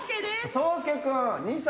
そうすけくん２歳。